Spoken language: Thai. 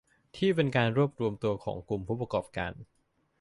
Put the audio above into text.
ที่เป็นการรวมตัวของกลุ่มผู้ประกอบการ